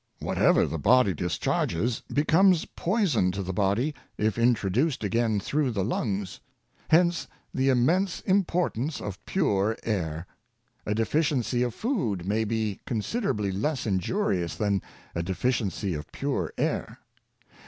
Whatever the body discharges, becomes poison to the body if introduced again through the lungs. Hence the immense importance of pure air. A deficiency of food may be considerably less injurious than a defi ciency of pure air.